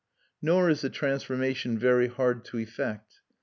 Nor is the transformation very hard to effect.